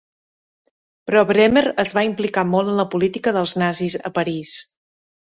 Però Bremer es va implicar molt en la política dels nazis a París.